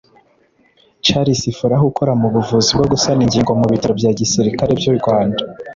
Charles Furaha ukora mu buvuzi bwo gusana ingingo mu bitaro bya Gisirikare by’u Rwanda